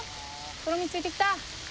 とろみついてきた